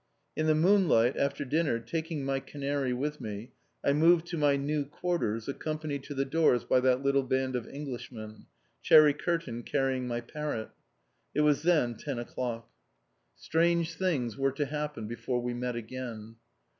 In the moonlight, after dinner, taking my canary with me, I moved to my new quarters, accompanied to the doors by that little band of Englishmen, Cherry Kearton carrying my parrot. It was then ten o'clock. Strange things were to happen before we met again.